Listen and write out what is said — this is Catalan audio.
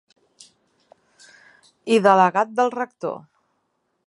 I delegat del rector.